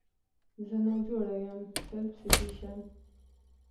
زه ناجوړه یم Self Citation